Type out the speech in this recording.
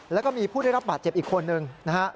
แล้วก็มีผู้ได้รับบาดเจ็บอีกคนนึงนะฮะ